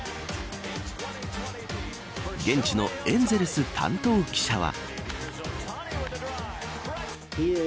現地のエンゼルス担当記者は。